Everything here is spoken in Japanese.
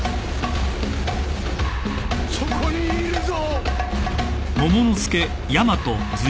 そこにいるぞ！